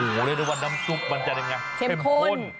เรียกได้ว่าน้ำซุปมันจะยังไงเข้มข้น